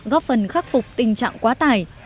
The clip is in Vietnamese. góp phần khắc phục tình trạng quá tải